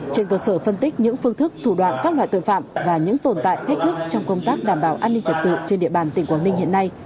trên cơ sở phân tích những phương thức thủ đoạn các loại tội phạm và những tồn tại thách thức trong công tác đảm bảo an ninh trật tự trên địa bàn tỉnh quảng ninh hiện nay